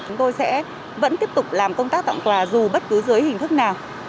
chúng tôi sẽ vẫn tiếp tục làm công tác tặng quà dù bất cứ dưới hình thức nào